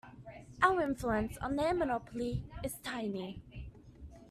Our influence on their monopoly is tiny.